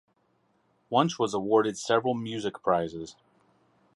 Wunsch was awarded several music prizes.